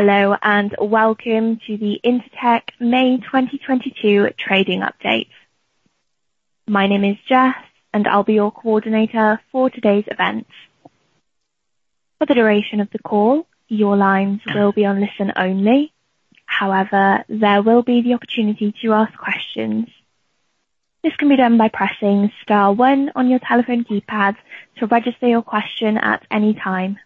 Hello, and welcome to the Intertek May 2022 trading update. My name is Jess, and I'll be your coordinator for today's event. For the duration of the call, your lines will be on listen only. However, there will be the opportunity to ask questions. This can be done by pressing star one on your telephone keypad to register your question at any time.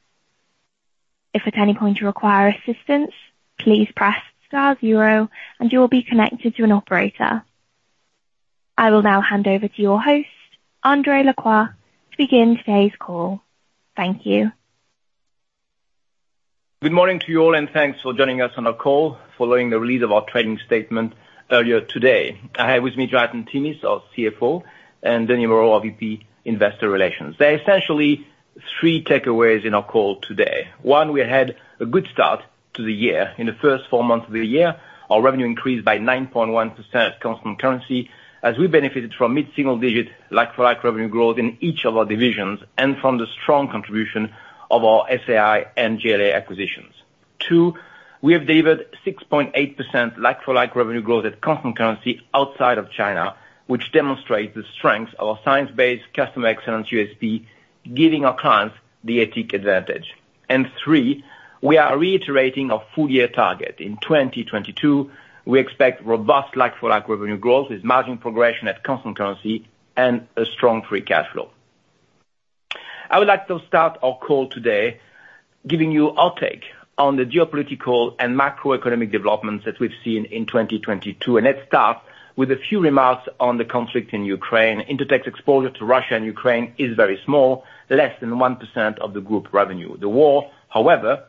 If at any point you require assistance, please press star zero and you will be connected to an operator. I will now hand over to your host, André Lacroix, to begin today's call. Thank you. Good morning to you all, and thanks for joining us on our call following the release of our trading statement earlier today. I have with me Jonathan Timmis, our CFO, and Denis Moreau, our VP, Investor Relations. There are essentially three takeaways in our call today. One, we had a good start to the year. In the first four months of the year, our revenue increased by 9.1% at constant currency as we benefited from mid-single digit like-for-like revenue growth in each of our divisions and from the strong contribution of our SAI and GLA acquisitions. Two, we have delivered 6.8% like-for-like revenue growth at constant currency outside of China, which demonstrates the strength of our science-based customer excellence USP, giving our clients the ATIC advantage. Three, we are reiterating our full-year target. In 2022, we expect robust like-for-like revenue growth with margin progression at constant currency and a strong free cash flow. I would like to start our call today giving you our take on the geopolitical and macroeconomic developments that we've seen in 2022. Let's start with a few remarks on the conflict in Ukraine. Intertek's exposure to Russia and Ukraine is very small, less than 1% of the group revenue. The war, however,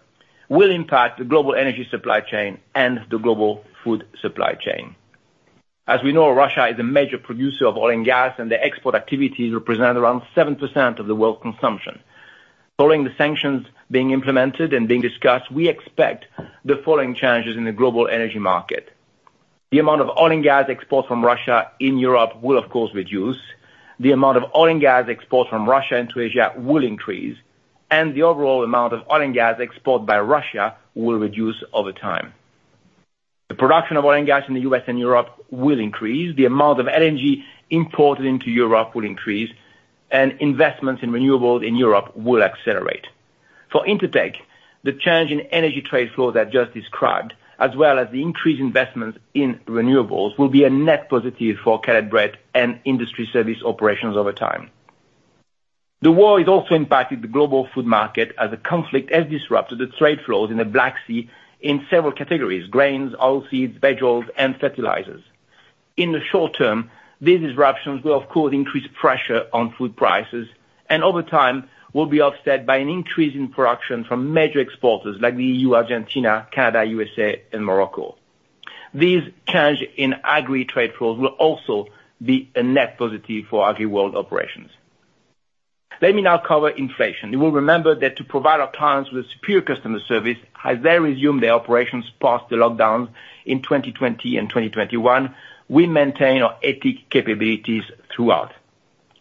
will impact the global energy supply chain and the global food supply chain. As we know, Russia is a major producer of oil and gas, and their export activities represent around 7% of the world consumption. Following the sanctions being implemented and being discussed, we expect the following changes in the global energy market. The amount of oil and gas exports from Russia in Europe will of course reduce, the amount of oil and gas exports from Russia into Asia will increase, and the overall amount of oil and gas exported by Russia will reduce over time. The production of oil and gas in the U.S. and Europe will increase, the amount of energy imported into Europe will increase, and investments in renewables in Europe will accelerate. For Intertek, the change in energy trade flow that I just described, as well as the increased investment in renewables, will be a net positive for Caleb Brett and Industry Services operations over time. The war is also impacting the global food market as the conflict has disrupted the trade flows in the Black Sea in several categories, grains, oilseeds, vegetables, and fertilizers. In the short term, these disruptions will of course increase pressure on food prices and over time will be offset by an increase in production from major exporters like the EU, Argentina, Canada, USA, and Morocco. These changes in agri trade flows will also be a net positive for AgriWorld operations. Let me now cover inflation. You will remember that to provide our clients with superior customer service as they resume their operations post the lockdowns in 2020 and 2021, we maintain our ATIC capabilities throughout.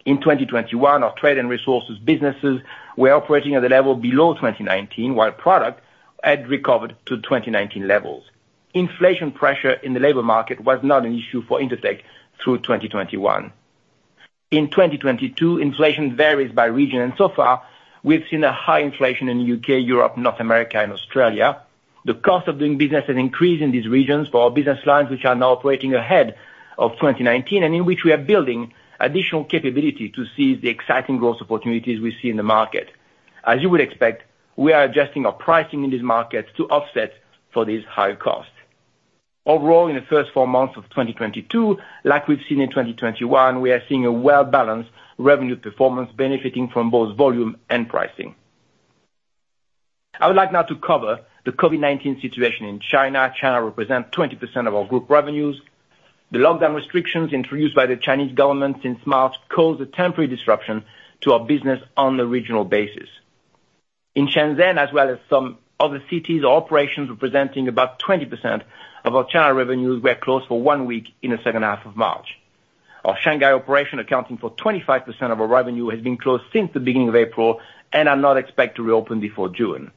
In 2021, our trade and resources businesses were operating at a level below 2019, while Products had recovered to 2019 levels. Inflation pressure in the labor market was not an issue for Intertek through 2021. In 2022, inflation varies by region, and so far we've seen a high inflation in U.K., Europe, North America, and Australia. The cost of doing business has increased in these regions for our business lines, which are now operating ahead of 2019 and in which we are building additional capability to seize the exciting growth opportunities we see in the market. As you would expect, we are adjusting our pricing in these markets to offset these higher costs. Overall, in the first four months of 2022, like we've seen in 2021, we are seeing a well-balanced revenue performance benefiting from both volume and pricing. I would like now to cover the COVID-19 situation in China. China represents 20% of our group revenues. The lockdown restrictions introduced by the Chinese government since March caused a temporary disruption to our business on a regional basis. In Shenzhen, as well as some other cities, our operations representing about 20% of our China revenues were closed for one week in the second half of March. Our Shanghai operation, accounting for 25% of our revenue, has been closed since the beginning of April and are not expected to reopen before June.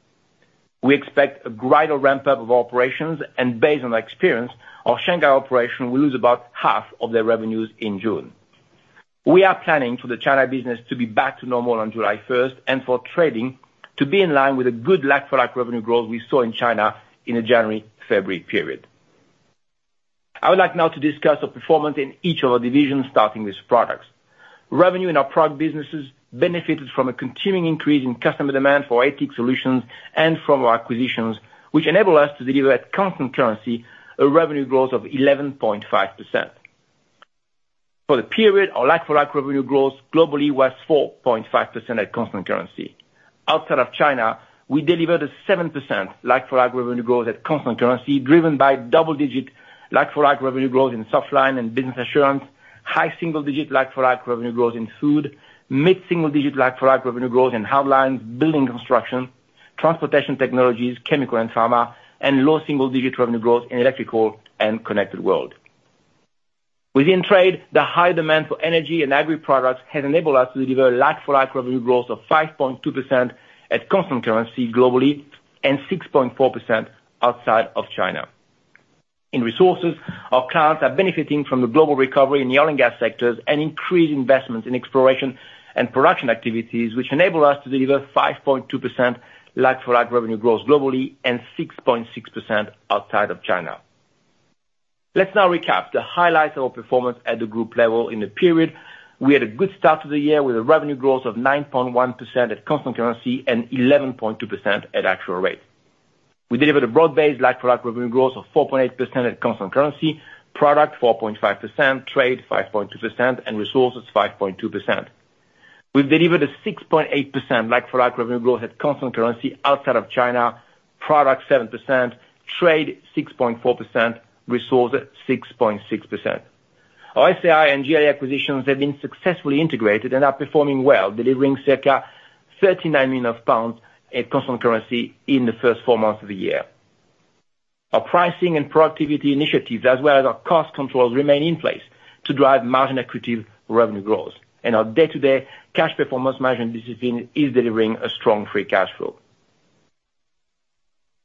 We expect a gradual ramp-up of operations and based on our experience, our Shanghai operation will lose about half of their revenues in June. We are planning for the China business to be back to normal on July first and for trading to be in line with a good like-for-like revenue growth we saw in China in the January, February period. I would like now to discuss our performance in each of our divisions, starting with products. Revenue in our product businesses benefited from a continuing increase in customer demand for ATIC solutions and from our acquisitions, which enable us to deliver at constant currency a revenue growth of 11.5%. For the period, our like-for-like revenue growth globally was 4.5% at constant currency. Outside of China, we delivered a 7% like-for-like revenue growth at constant currency, driven by double-digit like-for-like revenue growth in Softlines and Business Assurance, high single-digit like-for-like revenue growth in Food, mid-single-digit like-for-like revenue growth in Hardlines, Building & Construction, Transportation Technologies, Chemical & Pharma, and low single-digit revenue growth in Electrical and Connected World. Within Trade, the high demand for energy and agri products has enabled us to deliver like-for-like revenue growth of 5.2% at constant currency globally and 6.4% outside of China. In Resources, our clients are benefiting from the global recovery in the oil and gas sectors and increased investments in exploration and production activities, which enable us to deliver 5.2% like-for-like revenue growth globally and 6.6% outside of China. Let's now recap the highlights of our performance at the group level in the period. We had a good start to the year with a revenue growth of 9.1% at constant currency and 11.2% at actual rate. We delivered a broad-based like-for-like revenue growth of 4.8% at constant currency, Product 4.5%, Trade 5.2%, and Resources 5.2%. We've delivered a 6.8% like-for-like revenue growth at constant currency outside of China, Product 7%, Trade 6.4%, Resources at 6.6%. Our SAI and GLA acquisitions have been successfully integrated and are performing well, delivering circa 39 million pounds at constant currency in the first four months of the year. Our pricing and productivity initiatives, as well as our cost controls, remain in place to drive margin-accretive revenue growth. Our day-to-day cash performance management discipline is delivering a strong free cash flow.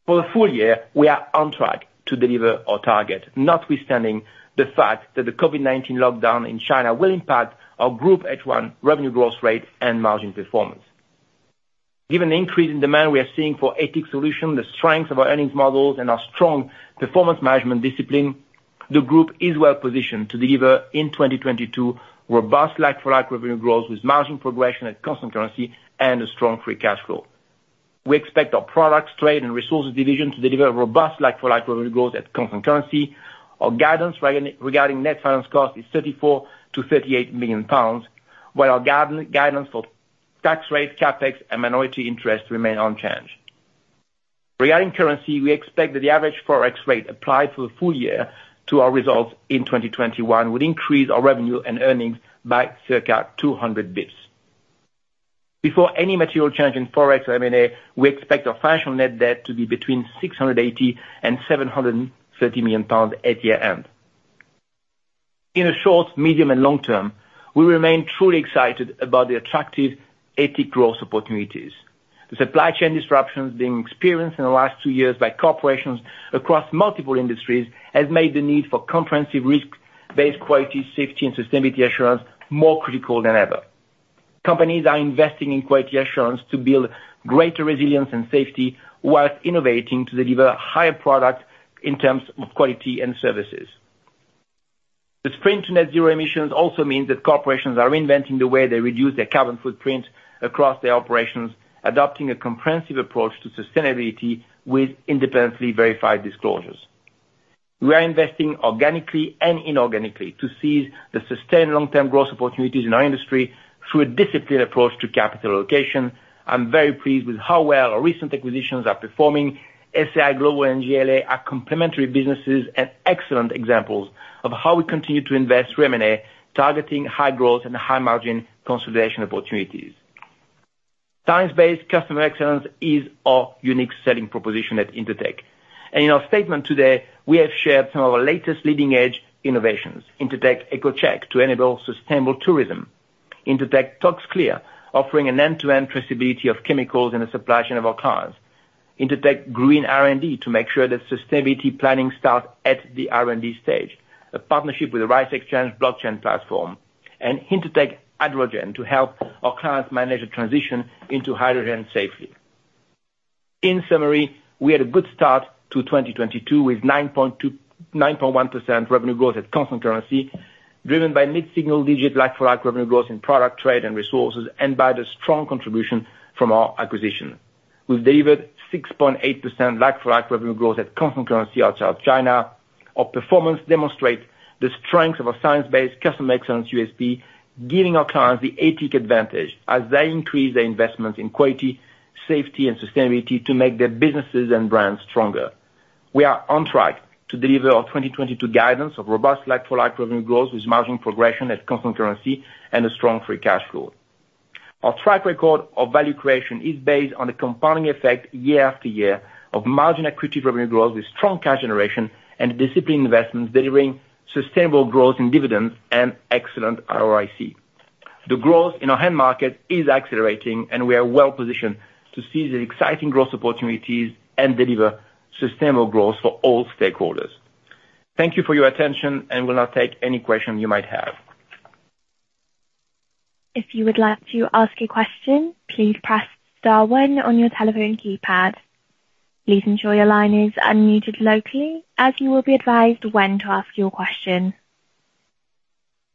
For the full year, we are on track to deliver our target, notwithstanding the fact that the COVID-19 lockdown in China will impact our group H1 revenue growth rate and margin performance. Given the increase in demand we are seeing for ATIC solution, the strength of our earnings models, and our strong performance management discipline, the group is well positioned to deliver in 2022 robust like-for-like revenue growth with margin progression at constant currency and a strong free cash flow. We expect our Consumer Products, Trade, and Resources Division to deliver robust like-for-like revenue growth at constant currency. Our guidance regarding net finance cost is 34 million-38 million pounds, while our guidance for tax rates, CapEx, and minority interest remain unchanged. Regarding currency, we expect that the average Forex rate applied for the full year to our results in 2021 will increase our revenue and earnings by circa 200 basis points. Before any material change in Forex or M&A, we expect our financial net debt to be between 680 million and 730 million pounds at year-end. In the short, medium, and long term, we remain truly excited about the attractive ATIC growth opportunities. The supply chain disruptions being experienced in the last two years by corporations across multiple industries has made the need for comprehensive risk-based quality, safety, and sustainability assurance more critical than ever. Companies are investing in quality assurance to build greater resilience and safety, while innovating to deliver higher products in terms of quality and services. The sprint to net zero emissions also means that corporations are reinventing the way they reduce their carbon footprint across their operations, adopting a comprehensive approach to sustainability with independently verified disclosures. We are investing organically and inorganically to seize the sustained long-term growth opportunities in our industry through a disciplined approach to capital allocation. I'm very pleased with how well our recent acquisitions are performing. SAI Global and GLA are complementary businesses and excellent examples of how we continue to invest through M&A, targeting high growth and high margin consolidation opportunities. Science-based customer excellence is our unique selling proposition at Intertek. In our statement today, we have shared some of our latest leading-edge innovations. Intertek EcoCheck to enable sustainable tourism. Intertek ToxClear, offering an end-to-end traceability of chemicals in the supply chain of our clients. Intertek Green R&D to make sure that sustainability planning starts at the R&D stage, a partnership with the Rice Exchange blockchain platform. Intertek Hydrogen to help our clients manage the transition into hydrogen safely. In summary, we had a good start to 2022, with 9.1% revenue growth at constant currency, driven by mid-single digit like-for-like revenue growth in product, trade, and resources, and by the strong contribution from our acquisition. We've delivered 6.8% like-for-like revenue growth at constant currency outside of China. Our performance demonstrates the strength of our science-based customer excellence USP, giving our clients the ATIC advantage as they increase their investment in quality, safety, and sustainability to make their businesses and brands stronger. We are on track to deliver our 2022 guidance of robust like-for-like revenue growth with margin progression at constant currency and a strong free cash flow. Our track record of value creation is based on the compounding effect year after year of margin accretive revenue growth with strong cash generation and disciplined investments delivering sustainable growth in dividends and excellent ROIC. The growth in our end market is accelerating, and we are well positioned to seize the exciting growth opportunities and deliver sustainable growth for all stakeholders. Thank you for your attention, and will now take any question you might have. If you would like to ask a question, please press star one on your telephone keypad. Please ensure your line is unmuted locally as you will be advised when to ask your question.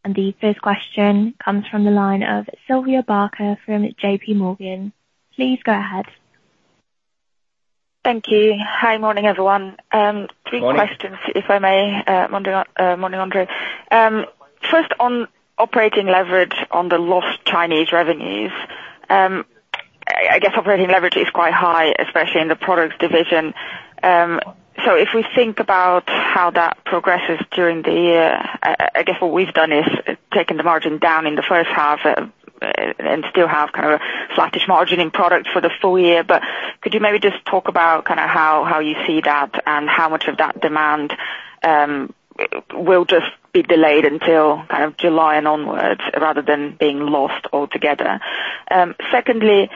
The first question comes from the line of Sylvia Barker from JP Morgan. Please go ahead. Thank you. Hi. Morning, everyone. Three questions. Morning. If I may, morning, André. First on operating leverage on the lost Chinese revenues. I guess operating leverage is quite high, especially in the products division. So if we think about how that progresses during the year, I guess what we've done is taken the margin down in the first half, still have kind of a flattish margin in products for the full year. Could you maybe just talk about kinda how you see that and how much of that demand will just be delayed until kind of July and onward rather than being lost altogether? Secondly,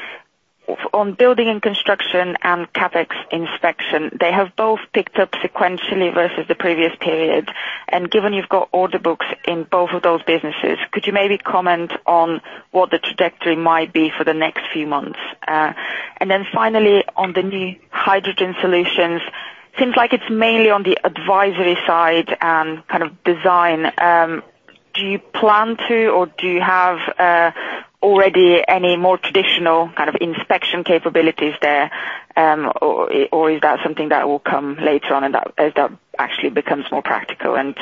on Building & Construction and CapEx inspection, they have both picked up sequentially versus the previous period. Given you've got order books in both of those businesses, could you maybe comment on what the trajectory might be for the next few months? Finally on the new hydrogen solutions, seems like it's mainly on the advisory side and kind of design. Do you plan to or do you have already any more traditional kind of inspection capabilities there, or is that something that will come later on as that actually becomes more practical and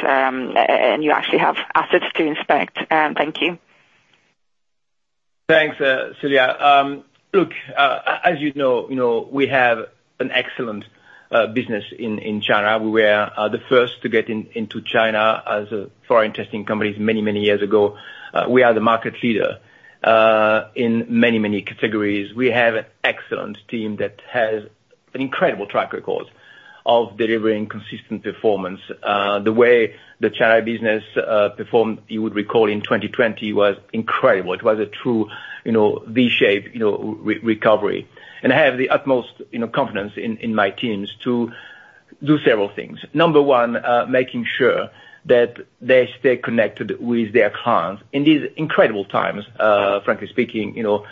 you actually have assets to inspect? Thank you. Thanks, Sylvia. Look, as you know, we have an excellent business in China. We were the first to get into China as a foreign testing company many years ago. We are the market leader in many categories. We have an excellent team that has an incredible track record of delivering consistent performance. The way the China business performed, you would recall in 2020 was incredible. It was a true, you know, V shape recovery. I have the utmost, you know, confidence in my teams to do several things. Number one, making sure that they stay connected with their clients in these incredible times. Frankly speaking, you know,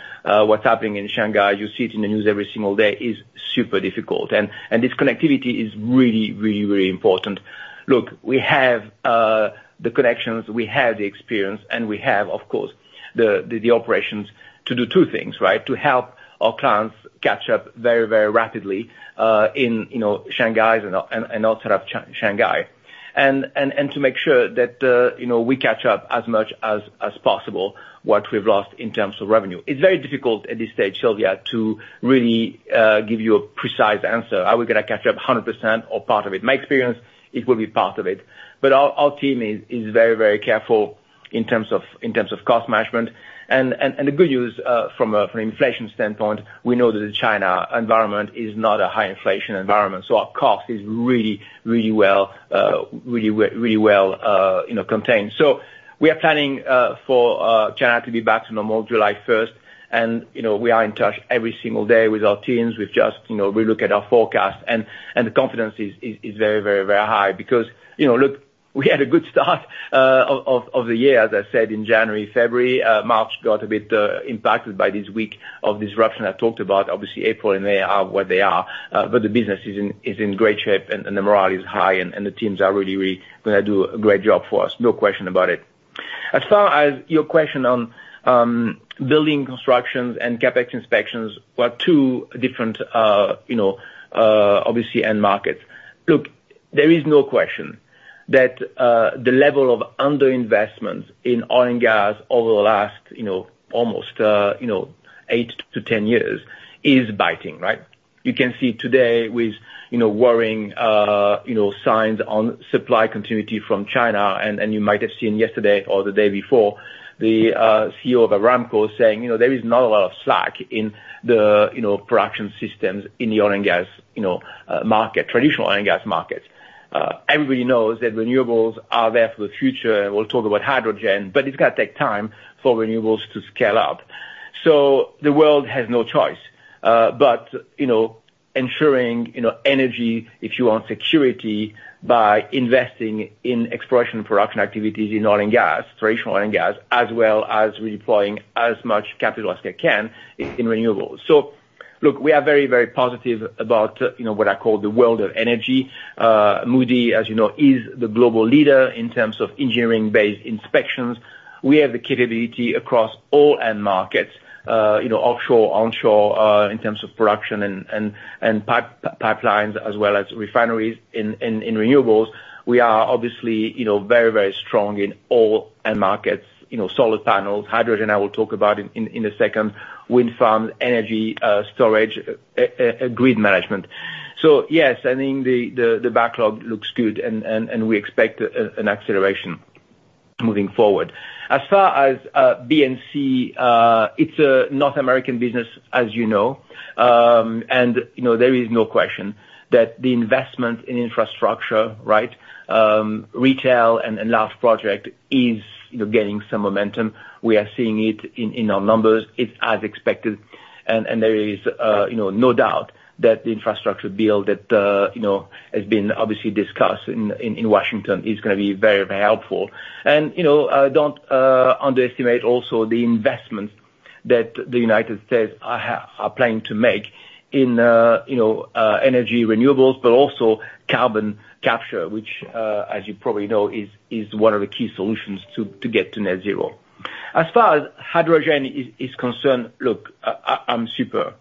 what's happening in Shanghai, you see it in the news every single day, is super difficult. This connectivity is really important. Look, we have the connections, we have the experience, and we have, of course, the operations to do two things, right? To help our clients catch up very rapidly in, you know, Shanghai and outside of Shanghai. To make sure that, you know, we catch up as much as possible what we've lost in terms of revenue. It's very difficult at this stage, Sylvia, to really give you a precise answer. Are we gonna catch up 100% or part of it? My experience, it will be part of it. But our team is very careful in terms of cost management. The good news from an inflation standpoint, we know that the China environment is not a high inflation environment, so our cost is really well, contained. We are planning for China to be back to normal July first. You know, we are in touch every single day with our teams. We've just, you know, we look at our forecast and the confidence is very high because, you know, look, we had a good start of the year, as I said, in January, February. March got a bit impacted by this week of disruption I talked about. Obviously, April and May are where they are. The business is in great shape and the morale is high and the teams are really gonna do a great job for us, no question about it. As far as your question on Building & Construction and CapEx inspections, they're two different, obviously, end markets. Look, there is no question that the level of under-investment in oil and gas over the last almost 8-10 years is biting, right? You can see today with worrying signs on supply continuity from China and you might have seen yesterday or the day before the CEO of Aramco saying, there is not a lot of slack in the production systems in the oil and gas market, traditional oil and gas market. Everybody knows that renewables are there for the future. We'll talk about hydrogen, but it's gonna take time for renewables to scale up. The world has no choice, but, ensuring, energy security, by investing in exploration and production activities in oil and gas, traditional oil and gas, as well as redeploying as much capital as they can in renewables. Look, we are very, very positive about, what I call the world of energy. Moody, as you know, is the global leader in terms of engineering-based inspections. We have the capability across all end markets, offshore, onshore, in terms of production and pipelines as well as refineries in renewables. We are obviously, very, very strong in all end markets, you know, solar panels. Hydrogen, I will talk about in a second. Wind farms, energy, storage, grid management. Yes, I think the backlog looks good and we expect an acceleration moving forward. As far as B&C, it's a North American business, as you know and there is no question that the investment in infrastructure, right, retail and large project is gaining some momentum. We are seeing it in our numbers. It's as expected. There is no doubt that the infrastructure build that has been obviously discussed in Washington is gonna be very helpful. Don't underestimate also the investments that the United States are planning to make in, energy renewables, but also carbon capture, which, as you probably know, is one of the key solutions to get to net zero. As far as hydrogen is concerned, look, I'm super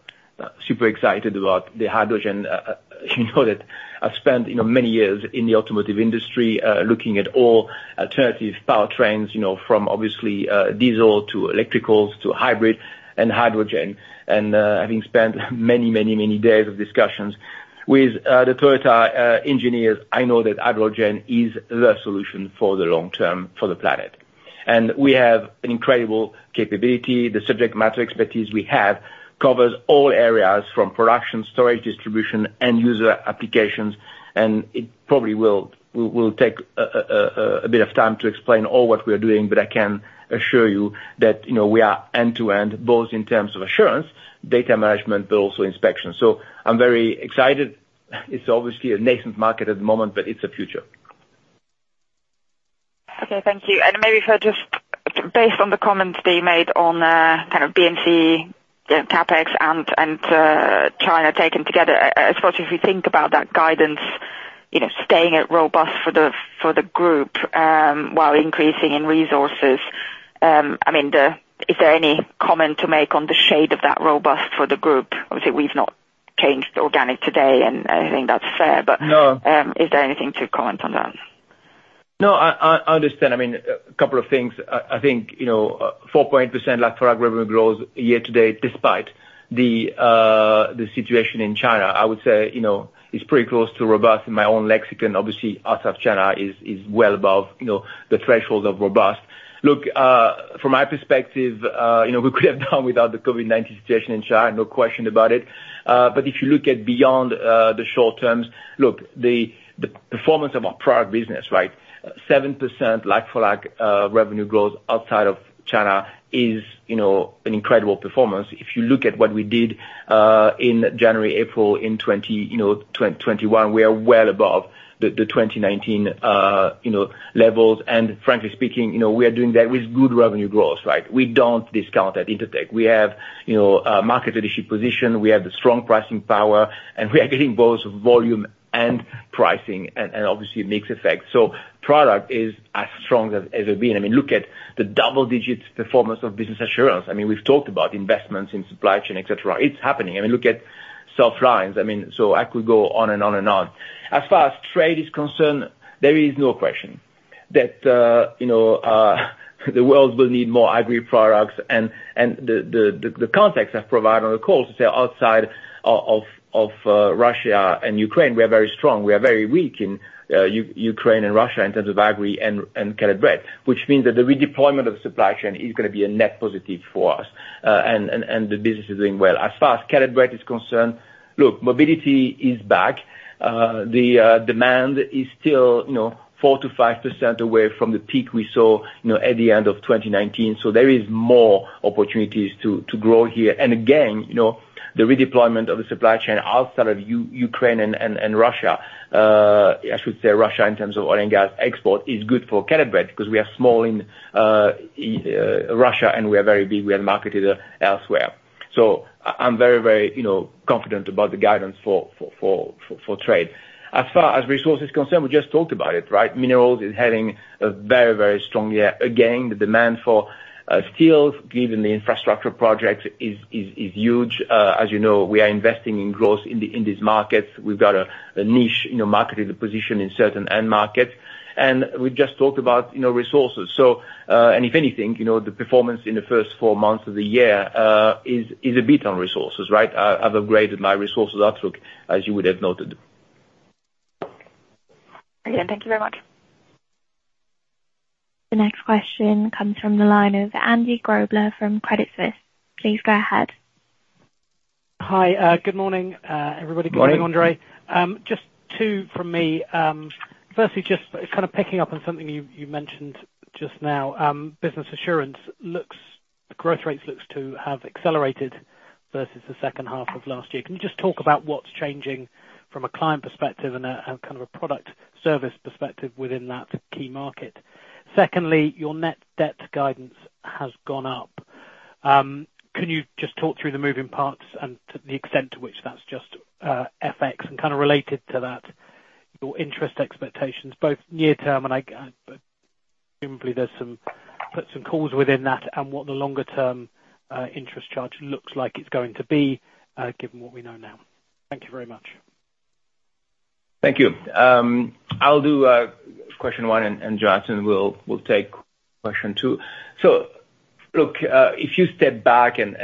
excited about the hydrogen, that I've spent many years in the automotive industry, looking at all alternative powertrains, from obviously, diesel to electricals to hybrid and hydrogen. Having spent many days of discussions with the Toyota engineers, I know that hydrogen is the solution for the long term for the planet. We have an incredible capability. The subject matter expertise we have covers all areas from production, storage, distribution, and user applications, and it probably will take a bit of time to explain all what we are doing, but I can assure you that, we are end-to-end, both in terms of assurance, data management, but also inspection. So I'm very excited. It's obviously a nascent market at the moment, but it's the future. Okay, thank you. Based on the comments that you made on kind of B&C, yeah, CapEx and China taken together, especially if you think about that guidance, you know, staying robust for the group while increasing in resources, I mean, is there any comment to make on the shape of that robust for the group? Obviously, we've not changed organic today, and I think that's fair. No. Is there anything to comment on that? No, I understand. I mean, a couple of things. I think, 4% like-for-like revenue growth year to date despite the situation in China, I would say, is pretty close to robust in my own lexicon. Obviously, outside of China is well above, the threshold of robust. Look, from my perspective, we could have done without the COVID-19 situation in China, no question about it. But if you look at beyond the short terms, look, the performance of our product business, right, 7% like-for-like revenue growth outside of China is, you know, an incredible performance. If you look at what we did in January, April in 2020, 2021, we are well above the 2019,, levels. Frankly speaking, we are doing that with good revenue growth, right? We don't discount at Intertek. We have, you know, market leadership position. We have the strong pricing power, and we are getting both volume and pricing and obviously mix effect. Product is as strong as ever been. I mean, look at the double-digit performance of Business Assurance. I mean, we've talked about investments in supply chain, et cetera. It's happening. I mean, look at self-drive. I mean, so I could go on and on and on. As far as Trade is concerned, there is no question that, the world will need more agri products. The context I provided on the call to say outside of Russia and Ukraine, we are very strong. We are very weak in Ukraine and Russia in terms of agri and Caleb Brett, which means that the redeployment of the supply chain is gonna be a net positive for us. The business is doing well. As far as Caleb Brett is concerned, look, mobility is back. The demand is still, 4%-5% away from the peak we saw, you know, at the end of 2019. There is more opportunities to grow here. Again, you know, the redeployment of the supply chain outside of Ukraine and Russia, I should say Russia in terms of oil and gas export, is good for Caleb Brett because we are small in Russia, and we are very big, we are marketed elsewhere. I'm very, confident about the guidance for trade. As far as resources are concerned, we just talked about it, right? Minerals is heading a very strong year. Again, the demand for steel given the infrastructure project is huge. As you know, we are investing in growth in these markets. We've got a niche, you know, market position in certain end markets. We just talked about, you know, resources. If anything, the performance in the first four months of the year is a bit on resources, right? I've upgraded my resources outlook, as you would have noted. Again, thank you very much. The next question comes from the line of Andy Grobler from Credit Suisse. Please go ahead. Good morning. Just two from me. Firstly, just kind of picking up on something you mentioned just now, Business Assurance growth rates look to have accelerated versus the second half of last year. Can you just talk about what's changing from a client perspective and kind of a product service perspective within that key market? Secondly, your net debt guidance has gone up. Can you just talk through the moving parts and to the extent to which that's just FX? And kind of related to that, your interest expectations, both near term, and presumably there's some puts and calls within that and what the longer term interest charge looks like it's going to be, given what we know now. Thank you very much. Thank you. I'll do question one and Jonathan will take question two. Look, if you step back and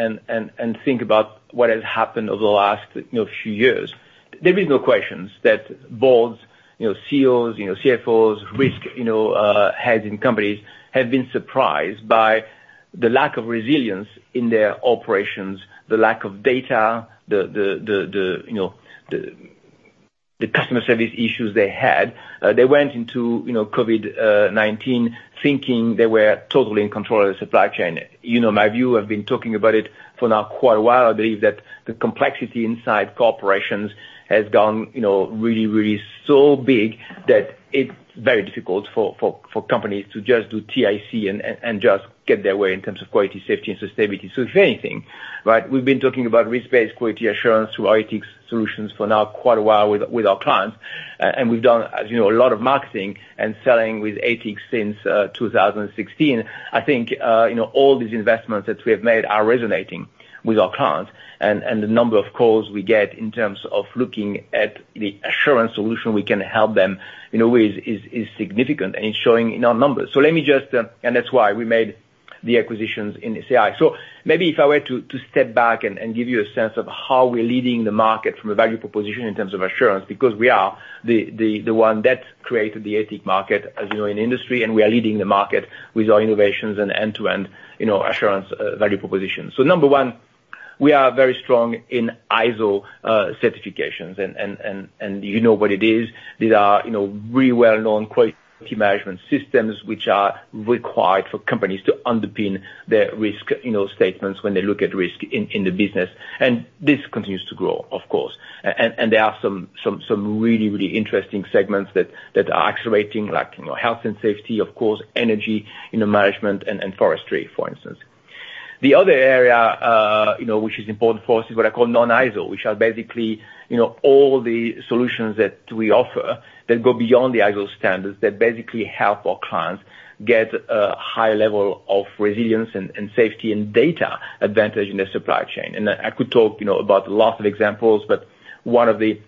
think about what has happened over the last few years, there is no questions that boards, CEOs, CFOs, risk, heads in companies have been surprised by the lack of resilience in their operations, the lack of data, the customer service issues they had. They went into COVID-19 thinking they were totally in control of the supply chain. You know, my view, I've been talking about it for quite a while now. I believe that the complexity inside corporations has gone really so big that it's very difficult for companies to just do ATIC and just get their way in terms of quality, safety, and sustainability. If anything, we've been talking about risk-based quality assurance through our ATIC solutions for quite a while now with our clients. We've done, as you know, a lot of marketing and selling with ATIC since 2016. I think all these investments that we have made are resonating with our clients and the number of calls we get in terms of looking at the assurance solution we can help them in a way is significant and it's showing in our numbers. That's why we made the acquisitions in ATIC. Maybe if I were to step back and give you a sense of how we're leading the market from a value proposition in terms of assurance, because we are the one that created the ATIC market, as you know, in industry, and we are leading the market with our innovations and end-to-end assurance value proposition. Number one, we are very strong in ISO certifications. You know what it is. These are really well-known quality management systems which are required for companies to underpin their risk statements when they look at risk in the business. This continues to grow, of course. There are some really interesting segments that are accelerating like, health and safety, of course, energy,, management, and forestry, for instance. The other area which is important for us is what I call non-ISO. Which are basically, all the solutions that we offer that go beyond the ISO standards that basically help our clients get a high level of resilience and safety and data advantage in their supply chain. I could talk about lots of examples, but one of the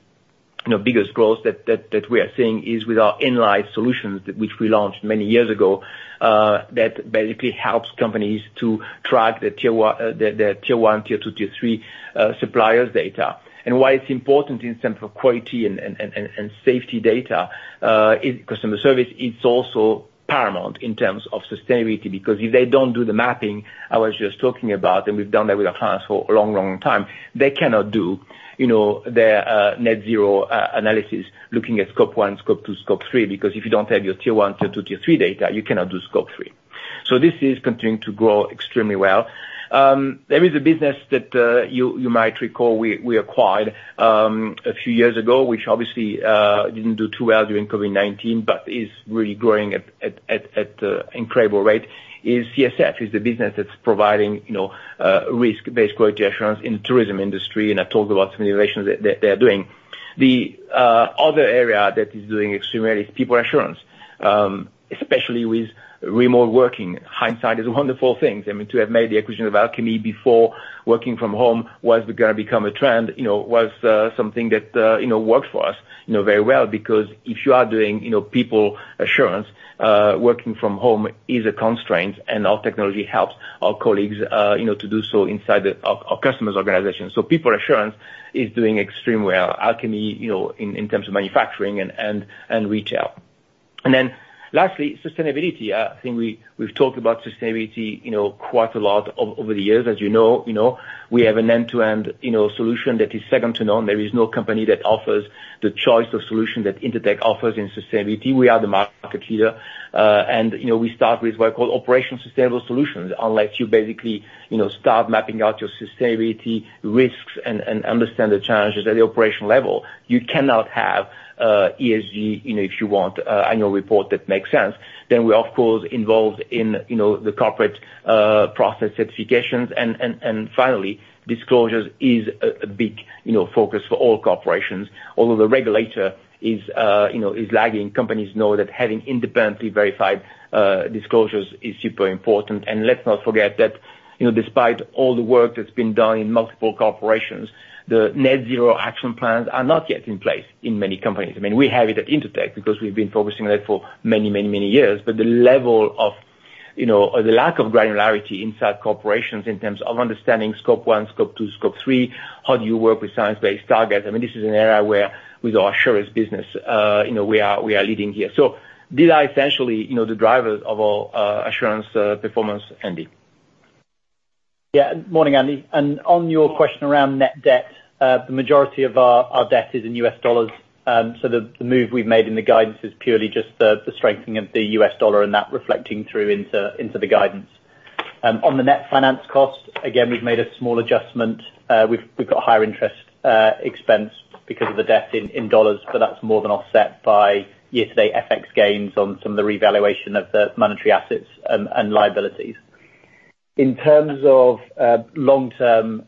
biggest growths that we are seeing is with our in-line solutions, which we launched many years ago, that basically helps companies to track their tier one, tier two, tier three suppliers' data. Why it's important in terms of quality and safety data. Customer service is also paramount in terms of sustainability, because if they don't do the mapping I was just talking about, and we've done that with our clients for a long, long time, they cannot do, their net zero analysis looking at Scope 1, Scope 2, Scope 3, because if you don't have your Tier 1, Tier 2, Tier 3 data, you cannot do Scope 3. This is continuing to grow extremely well. There is a business that you might recall we acquired a few years ago, which obviously didn't do too well during COVID-19, but is really growing at incredible rate, is Cristal, the business that's providing, risk-based quality assurance in the tourism industry, and I talked about some innovations that they're doing. The other area that is doing extremely well is People Assurance, especially with remote working. Hindsight is a wonderful thing. I mean, to have made the acquisition of Alchemy before working from home was gonna become a trend, was something that, worked for us, very well, because if you are doing, People Assurance, working from home is a constraint, and our technology helps our colleague, to do so inside our customers' organizations. People Assurance is doing extremely well. Alchemy, in terms of manufacturing and retail. Lastly, sustainability. I think we've talked about sustainability, quite a lot over the years. As you know, we have an end-to-end, solution that is second to none. There is no company that offers the choice of solution that Intertek offers in sustainability. We are the market leader, we start with what I call operation sustainable solutions. Unless you basically, start mapping out your sustainability risks and understand the challenges at the operational level, you cannot have ESG, if you want annual report that makes sense. We're of course involved in, the corporate process certifications. Finally, disclosures is a big, focus for all corporations. Although the regulator is lagging, companies know that having independently verified disclosures is super important. Let's not forget that, despite all the work that's been done in multiple corporations, the net zero action plans are not yet in place in many companies. I mean, we have it at Intertek because we've been focusing on it for many, many, many years. The level of, or the lack of granularity inside corporations in terms of understanding Scope 1, Scope 2, Scope 3, how do you work with Science-Based Targets? I mean, this is an area where with our assurance business, you know, we are leading here. These are essentially, you know, the drivers of our assurance performance, Andy. Yeah. Morning, Andy. On your question around net debt, the majority of our debt is in US dollars. The move we've made in the guidance is purely just the strengthening of the US dollar and that reflecting through into the guidance. On the net finance cost, again, we've made a small adjustment. We've got higher interest expense because of the debt in dollars, but that's more than offset by year-to-date FX gains on some of the revaluation of the monetary assets and liabilities. In terms of long-term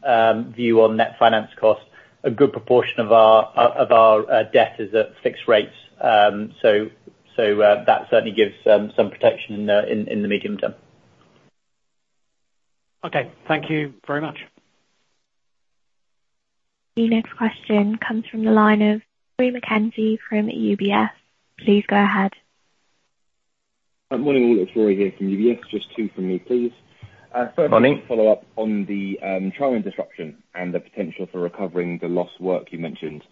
view on net finance cost, a good proportion of our debt is at fixed rates. That certainly gives some protection in the medium term. Okay. Thank you very much. The next question comes from the line of Rory McKenzie from UBS. Please go ahead. Good morning, all. It's Rory here from UBS. Just two from me, please. First Morning. Follow-up on the China disruption and the potential for recovering the lost work you mentioned.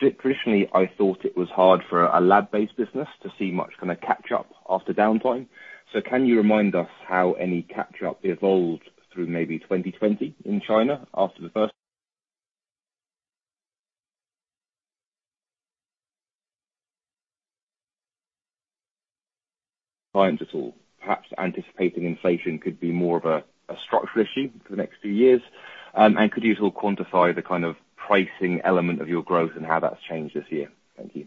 Traditionally, I thought it was hard for a lab-based business to see much kinda catch-up after downtime. Can you remind us how any catch-up evolved through maybe 2020 in China after the first clients at all. Perhaps anticipating inflation could be more of a structural issue for the next few years. And could you at all quantify the kind of pricing element of your growth and how that's changed this year? Thank you.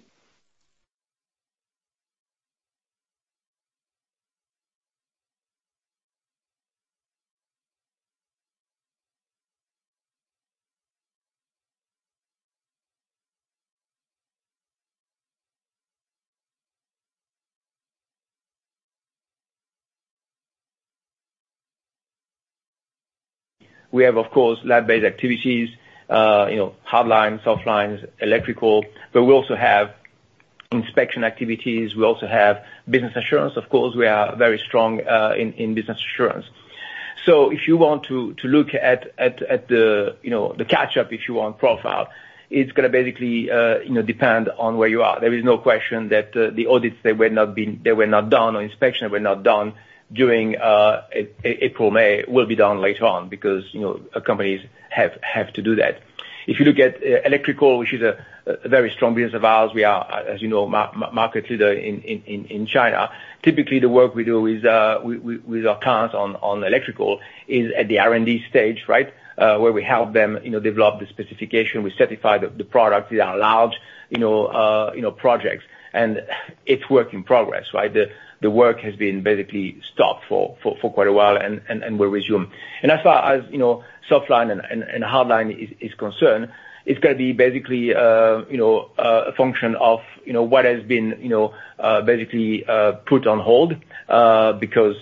We have, of course, lab-based activities Hardlines, Softlines, Electrical, but we also have inspection activities. We also have Business Assurance, of course. We are very strong in Business Assurance. If you want to look at the catch-up profile, it's gonna basically, you know, depend on where you are. There is no question that the audits or inspections that were not done during April, May, will be done later on because, companies have to do that. If you look at Electrical, which is a very strong business of ours, we are, as you know, market leader in China. Typically, the work we do with our clients on Electrical is at the R&D stage, right? Where we help them, develop the specification. We certify the product. These are large, you know, projects. It's work in progress, right? The work has been basically stopped for quite a while and will resume. As far as, you know, Softlines and Hardlines is concerned, it's gonna be basically, a function of, what has been, basically put on hold because,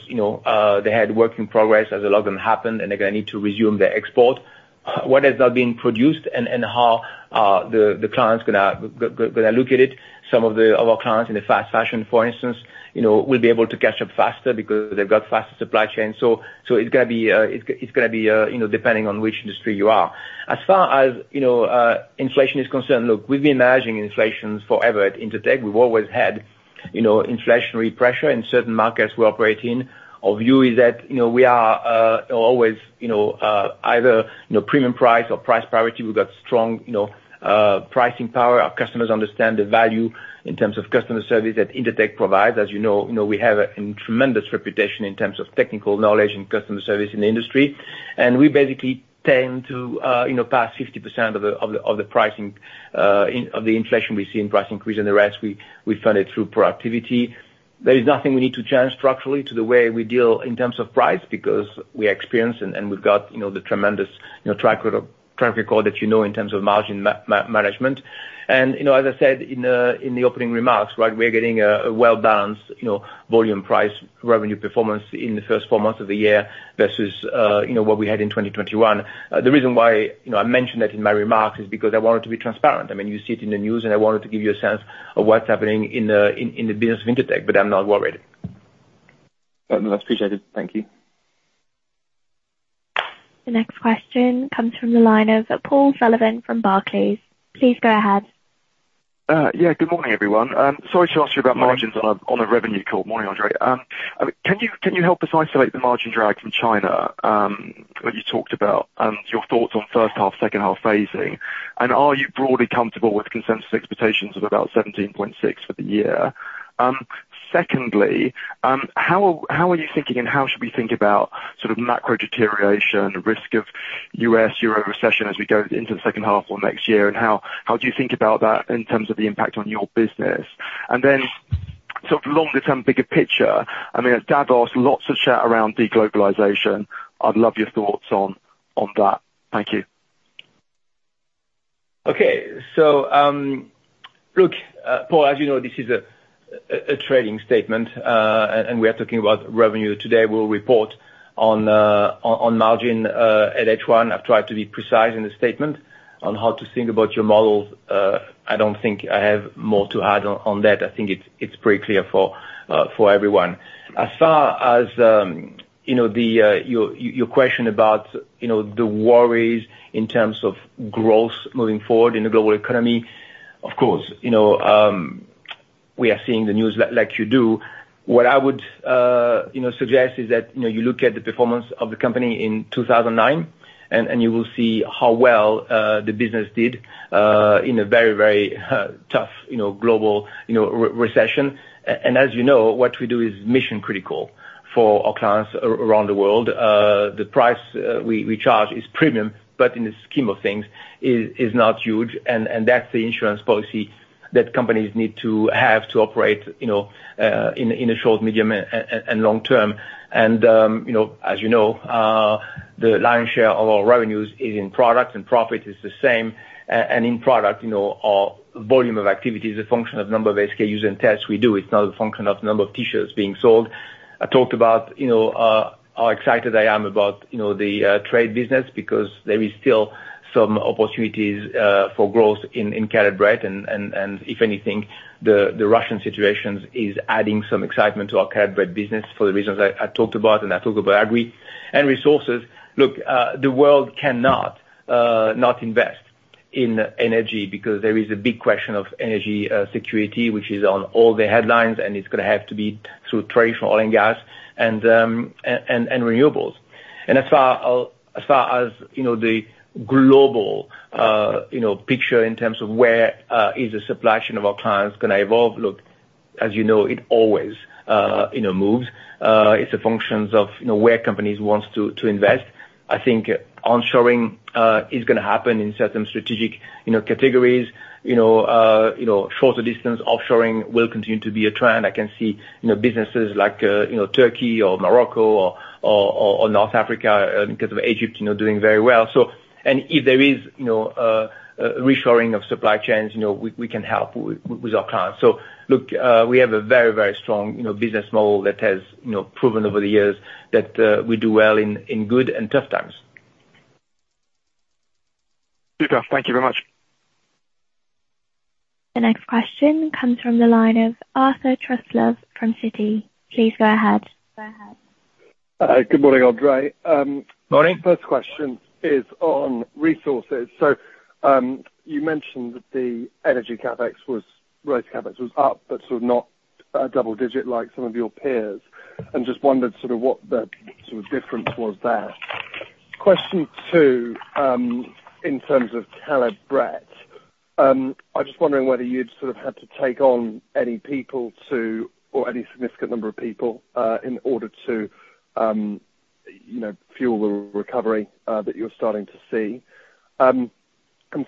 they had work in progress as the lockdown happened, and they're gonna need to resume their export. What has now been produced and how the clients gonna look at it. Our clients in the fast fashion, for instance, will be able to catch up faster because they've got faster supply chain. It's gonna be, depending on which industry you are. As far as, inflation is concerned, look, we've been managing inflation forever at Intertek. We've always had, inflationary pressure in certain markets we operate in. Our view is that, we are always, either, you know, premium price or price priority. We've got strong, pricing power. Our customers understand the value in terms of customer service that Intertek provides. As you know, we have a tremendous reputation in terms of technical knowledge and customer service in the industry. We basically tend to, pass 50% of the pricing of the inflation we see in price increase and the rest we fund it through productivity. There is nothing we need to change structurally to the way we deal in terms of price, because we are experienced and we've go, the tremendous track record that you know in terms of margin management. You know, as I said in the opening remarks, right, we're getting a well-balanced, volume price revenue performance in the first four months of the year versus what we had in 2021. The reason why, I mentioned that in my remarks is because I wanted to be transparent. I mean, you see it in the news, and I wanted to give you a sense of what's happening in the business of Intertek, but I'm not worried. That's appreciated. Thank you. The next question comes from the line of Paul Sullivan from Barclays. Please go ahead. Yeah, good morning, everyone. Sorry to ask you about margins on a revenue call. Morning, André. Can you help us isolate the margin drag from China, when you talked about your thoughts on first half, second half phasing? Are you broadly comfortable with consensus expectations of about 17.6% for the year? Secondly, how are you thinking, and how should we think about sort of macro deterioration, risk of U.S. and euro recession as we go into the second half or next year? How do you think about that in terms of the impact on your business? Sort of longer term, bigger picture, I mean, at Davos, lots of chat around de-globalization. I'd love your thoughts on that. Thank you. Okay. Look, Paul, as you know, this is a trading statement, and we are talking about revenue today. We'll report on margin at H1. I've tried to be precise in the statement on how to think about your models. I don't think I have more to add on that. I think it's pretty clear for everyone. As far as you know, your question about,, the worries in terms of growth moving forward in the global economy, of course, you know, we are seeing the news like you do. What I would suggest is that,, you look at the performance of the company in 2009, and you will see how well the business did in a very, very tough, global, recession. As you know, what we do is mission-critical for our clients around the world. The price we charge is premium, but in the scheme of things is not huge, and that's the insurance policy that companies need to have to operate, in a short, medium, and long term. You know, as you know, the lion's share of our revenues is in products and profit is the same. In product, our volume of activity is a function of number of SKUs and tests we do. It's not a function of number of T-shirts being sold. I talked about, how excited I am about, the trade business because there is still some opportunities for growth in Caleb and if anything, the Russian situation is adding some excitement to our Caleb business for the reasons I talked about, and I talked about agri and resources. Look, the world cannot not invest in energy because there is a big question of energy security, which is on all the headlines, and it's gonna have to be through trade for oil and gas and renewables. As far as, the global picture in terms of where is the supply chain of our clients gonna evolve, look, as you know, it always, moves. It's a function of, where companies wants to invest. I think onshoring is gonna happen in certain strategic, categories. You know, shorter distance offshoring will continue to be a trend. I can see, businesses like, Turkey or Morocco or North Africa, in case of Egypt, doing very well. If there is, reshoring of supply chains, you know, we can help with our clients. Look, we have a very, very strong, business model that has, proven over the years that we do well in good and tough times. Super. Thank you very much. The next question comes from the line of Arthur Truslove from Citi. Please go ahead. Good morning, André. Morning. First question is on Resources. You mentioned that the energy CapEx was up, but Resources CapEx was up, but sort of not a double-digit like some of your peers. I'm just wondered sort of what the sort of difference was there. Question two, in terms of Caleb Brett, I'm just wondering whether you'd sort of had to take on any people or any significant number of people, in order to, you know, fuel the recovery, that you're starting to see. And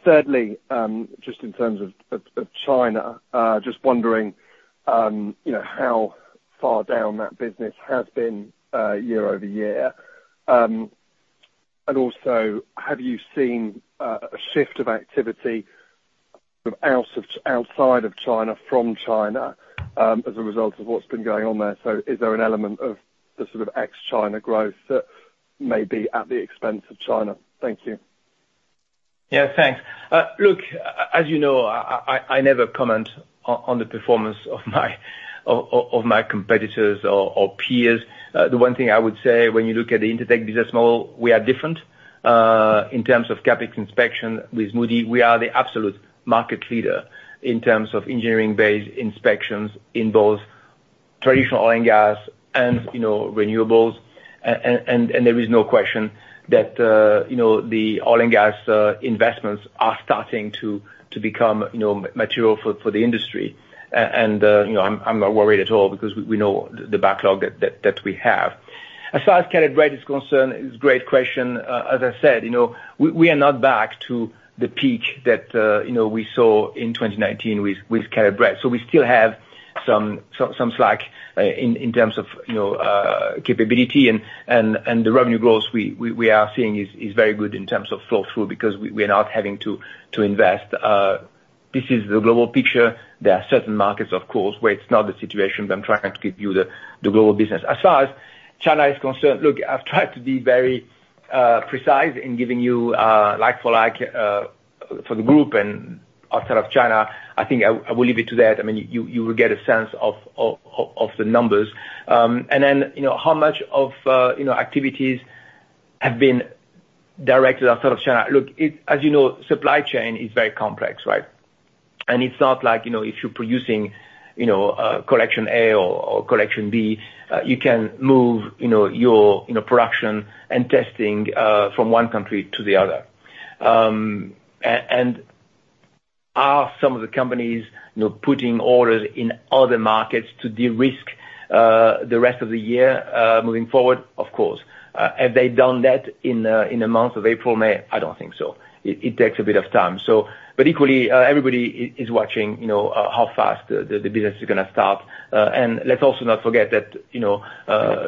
thirdly, just in terms of China, just wondering, you know, how far down that business has been, year-over-year. And also have you seen a shift of activity from outside of China from China, as a result of what's been going on there? Is there an element of the sort of ex-China growth that may be at the expense of China? Thank you. Yeah, thanks. Look, as you know, I never comment on the performance of my competitors or peers. The one thing I would say when you look at the Intertek business model, we are different in terms of CapEx inspection. With Moody, we are the absolute market leader in terms of engineering-based inspections in both traditional oil and gas and, you know, renewables. There is no question that, you know, the oil and gas investments are starting to become, you know, material for the industry. You know, I'm not worried at all because we know the backlog that we have. As far as Caleb Brett is concerned, it's a great question. As I said, you know, we are not back to the peak that you know, we saw in 2019 with Caleb Brett. So we still have some slack in terms of, you know, capability and the revenue growth we are seeing is very good in terms of flow through, because we're not having to invest. This is the global picture. There are certain markets, of course, where it's not the situation, but I'm trying to give you the global business. As far as China is concerned. Look, I've tried to be very precise in giving you like-for-like for the group and outside of China. I think I will leave it to that. I mean, you will get a sense of the numbers. You know, how much of activities have been directed outside of China. Look, as you know, supply chain is very complex, right? It's not like, if you're producing, you know, collection A or collection B, you can move, your production and testing from one country to the other. Are some of the companies, putting orders in other markets to de-risk the rest of the year, moving forward? Of course. Have they done that in the months of April, May? I don't think so. It takes a bit of time, so. Equally, everybody is watching, you know, how fast the business is gonna start. Let's also not forget that,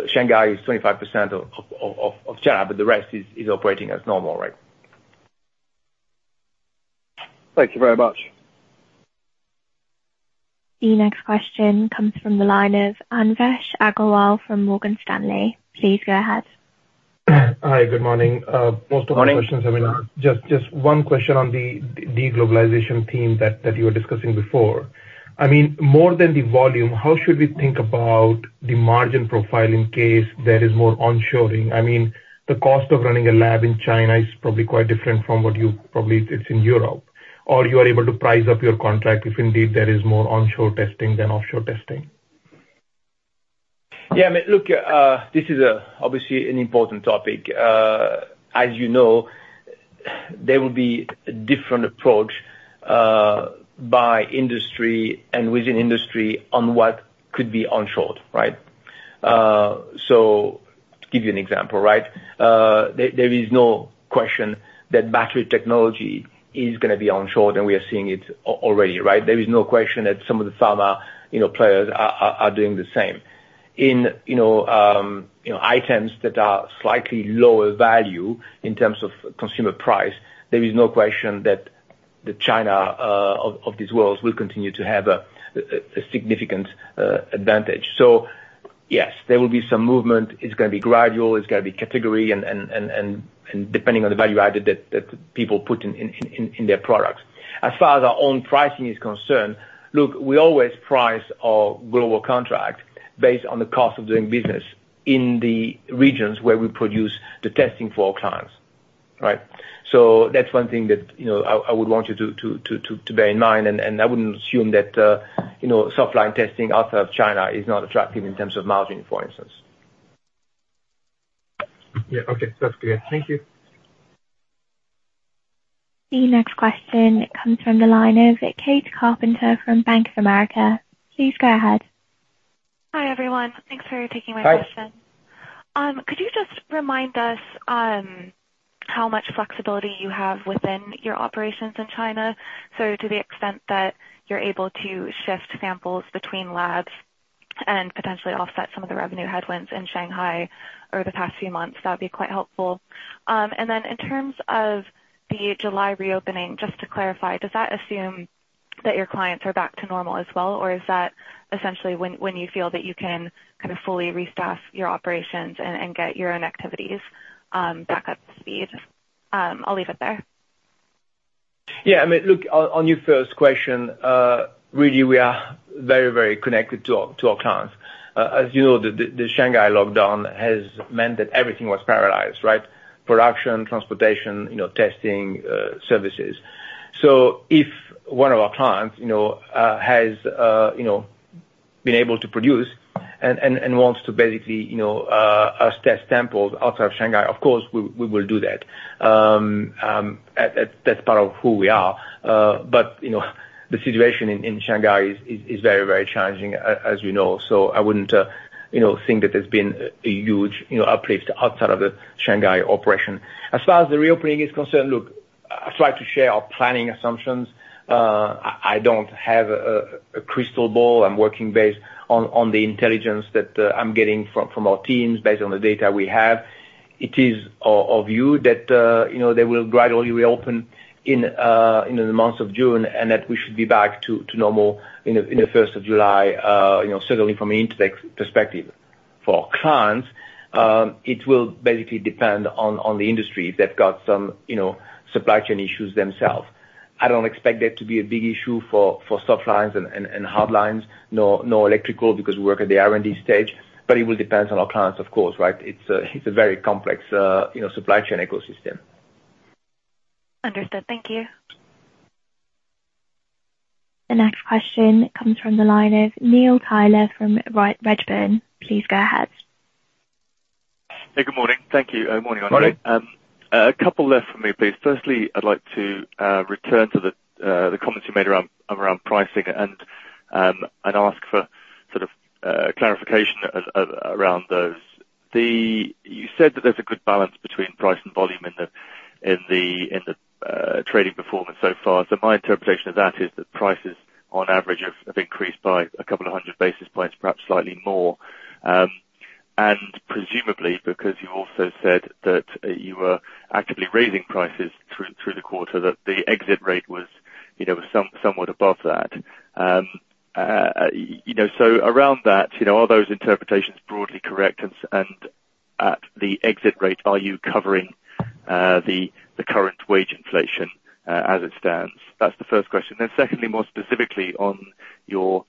Shanghai is 25% of China, but the rest is operating as normal. Right? Thank you very much. The next question comes from the line of Anvesh Agrawal from Morgan Stanley. Please go ahead. Hi, good morning. Most of my questions- Morning. I mean, just one question on the de-globalization theme that you were discussing before. I mean, more than the volume, how should we think about the margin profile in case there is more onshoring? I mean, the cost of running a lab in China is probably quite different from what you probably it's in Europe, or you are able to price up your contract if indeed there is more onshore testing than offshore testing. Yeah, I mean, look, this is obviously an important topic. As you know, there will be a different approach by industry and within industry on what could be onshored, right? To give you an example, right? There is no question that battery technology is gonna be onshored, and we are seeing it already, right? There is no question that some of the pharma players are doing the same. In items that are slightly lower value in terms of consumer price, there is no question that the China of this world will continue to have a significant advantage. Yes, there will be some movement. It's gonna be gradual, it's gonna be category and depending on the value added that people put in their products. As far as our own pricing is concerned, look, we always price our global contract based on the cost of doing business in the regions where we produce the testing for our clients. Right? That's one thing that, I would want you to bear in mind, and I wouldn't assume that, supply and testing outside of China is not attractive in terms of margin, for instance. Yeah. Okay. That's clear. Thank you. The next question comes from the line of Karen Carpenter from Bank of America. Please go ahead. Hi, everyone. Thanks for taking my question. Hi. Could you just remind us how much flexibility you have within your operations in China? To the extent that you're able to shift samples between labs and potentially offset some of the revenue headwinds in Shanghai over the past few months, that'd be quite helpful. In terms of the July reopening, just to clarify, does that assume that your clients are back to normal as well, or is that essentially when you feel that you can kind of fully restaff your operations and get your own activities back up to speed? I'll leave it there. Yeah. I mean, look, on your first question, really we are very connected to our clients. As you know, the Shanghai lockdown has meant that everything was paralyzed, right? Production, transportation, testing services. So if one of our clients, has been able to produce and wants to basically, us test samples outside of Shanghai, of course, we will do that. That's part of who we are. But, you know, the situation in Shanghai is very challenging as you know, so I wouldn't, think that there's been a huge, uplift outside of the Shanghai operation. As far as the reopening is concerned, look, I try to share our planning assumptions. I don't have a crystal ball. I'm working based on the intelligence that I'm getting from our teams, based on the data we have. It is our view that, they will gradually reopen in the month of June, and that we should be back to normal in the first of July, certainly from an index perspective. For our clients, it will basically depend on the industry. They've got some, supply chain issues themselves. I don't expect that to be a big issue for Softlines and Hardlines, nor Electrical because we work at the R&D stage, but it will depend on our clients, of course, right? It's a very complex, you know, supply chain ecosystem. Understood. Thank you. The next question comes from the line of Neil Tyler from Redburn. Please go ahead. Hey, good morning. Thank you. Morning, André. Morning. A couple left for me, please. Firstly, I'd like to return to the comments you made around pricing and ask for sort of clarification around those. You said that there's a good balance between price and volume in the trading performance so far. My interpretation of that is that prices on average have increased by a couple of hundred basis points, perhaps slightly more. Presumably because you also said that you were actively raising prices through the quarter, that the exit rate was somewhat above that. Around that, are those interpretations broadly correct? And at the exit rate, are you covering the current wage inflation as it stands? That's the first question. Secondly, more specifically on your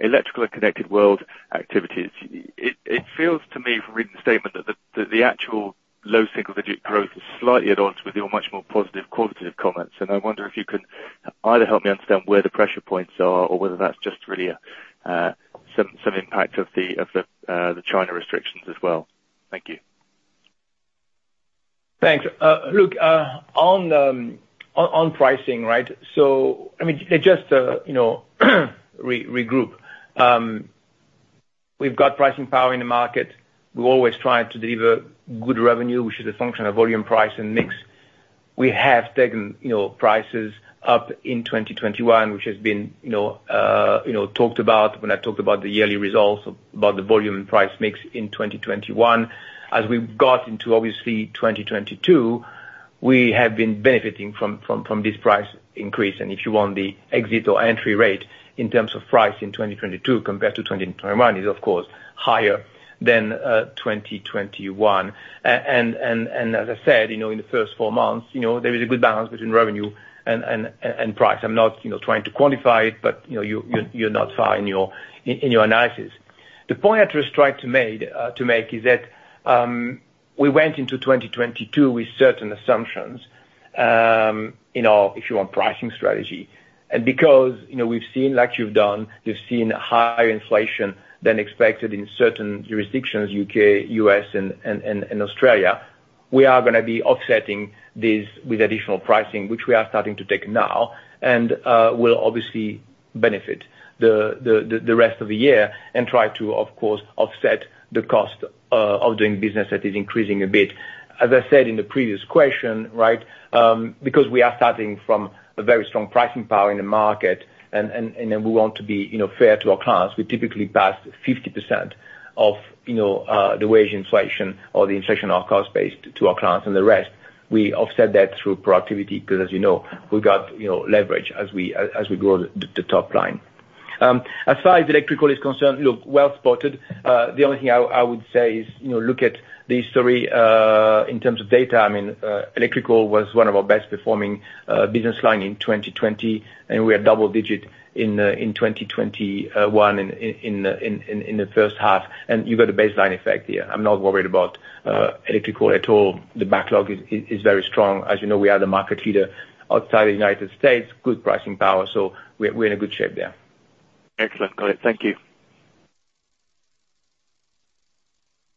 Electrical and Connected World activities. It feels to me from reading the statement that the actual low single-digit growth is slightly at odds with your much more positive qualitative comments, and I wonder if you can either help me understand where the pressure points are or whether that's just really some impact of the China restrictions as well. Thank you. Thanks. Look, on pricing, right? I mean, just, you know, regroup. We've got pricing power in the market. We always try to deliver good revenue, which is a function of volume, price and mix. We have taken, prices up in 2021, which has been, talked about when I talked about the yearly results, about the volume and price mix in 2021. As we've got into obviously 2022, we have been benefiting from this price increase. If you want the exit or entry rate in terms of price in 2022 compared to 2021 is of course higher than 2021. As I said, in the first four months, there is a good balance between revenue and price. I'm not, trying to quantify it, but, you're not far in your analysis. The point I was trying to make is that we went into 2022 with certain assumptions in our, if you want, pricing strategy. Because, you know, we've seen like you've done, we've seen higher inflation than expected in certain jurisdictions, U.K., U.S. and Australia, we are gonna be offsetting this with additional pricing, which we are starting to take now and will obviously benefit the rest of the year and try to of course offset the cost of doing business that is increasing a bit. As I said in the previous question, right, because we are starting from a very strong pricing power in the market and we want to be, fair to our clients, we typically pass 50% of, the wage inflation or the inflation of cost base to our clients and the rest. We offset that through productivity because as you know, we've got, leverage as we grow the top line. As far as Electrical is concerned, look, well spotted. The only thing I would say is, look at the history in terms of data. I mean, Electrical was one of our best performing business line in 2020, and we are double-digit in 2021 in the first half, and you've got a baseline effect here. I'm not worried about Electrical at all. The backlog is very strong. As you know, we are the market leader outside the United States, good pricing power, so we're in a good shape there. Excellent. Got it. Thank you.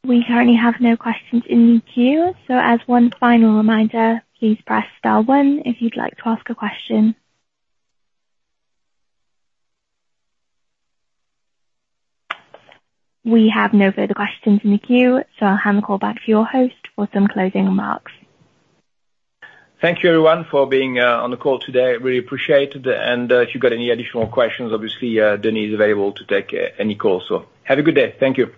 We currently have no questions in the queue. As one final reminder, please press star one if you'd like to ask a question. We have no further questions in the queue, so I'll hand the call back to your host for some closing remarks. Thank you everyone for being on the call today. Really appreciate it. If you've got any additional questions, obviously, Denis is available to take any calls. Have a good day. Thank you.